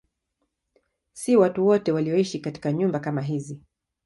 Si watu wote walioishi katika nyumba kama hizi.